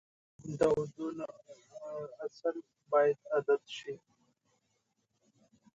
د اورېدنې اصل باید رعایت شي.